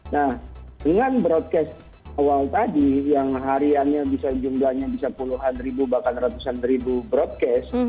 nah dengan broadcast awal tadi yang hariannya bisa jumlahnya bisa puluhan ribu bahkan ratusan ribu broadcast